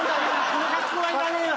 この格好はいらねえよ。